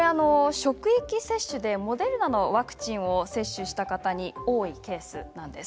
職域接種でモデルナのワクチンを接種した方に多いケースなんです。